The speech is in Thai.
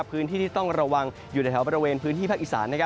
พื้นที่ที่ต้องระวังอยู่ในแถวบริเวณพื้นที่ภาคอีสาน